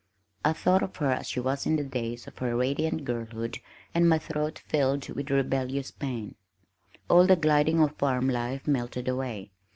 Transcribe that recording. I thought of her as she was in the days of her radiant girlhood and my throat filled with rebellious pain. All the gilding of farm life melted away.